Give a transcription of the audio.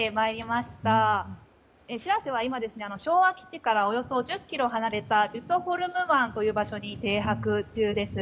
「しらせ」は今、昭和基地からおよそ１０ｋｍ離れたリュツォホルム湾という場所に停泊中です。